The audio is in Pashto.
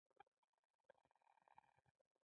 موږ له ښار بهر ولاړ یو.